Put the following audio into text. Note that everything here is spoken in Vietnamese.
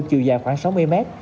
chiều dài khoảng sáu mươi mét